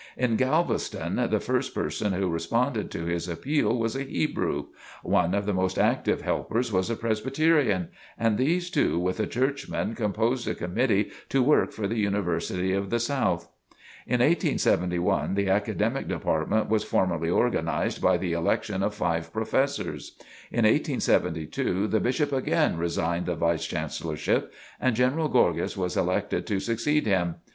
In Galveston, the first person who responded to his appeal was a Hebrew; one of the most active helpers was a Presbyterian, and these two with a Churchman composed a committee to work for The University of the South. In 1871 the Academic Department was formally organized by the election of five professors. In 1872, the Bishop again resigned the Vice Chancellorship and General Gorgas was elected to succeed him.